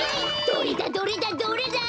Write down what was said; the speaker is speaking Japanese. どれだどれだどれだ？